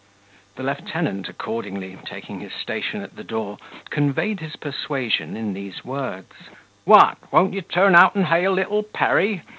The lieutenant accordingly, taking his station at the door, conveyed his persuasion in these words: "What, won't you turn out and hail little Perry?